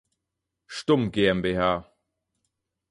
Stumm GmbH".